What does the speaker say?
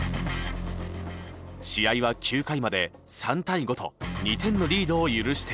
試合は９回まで３対５と２点のリードを許していた。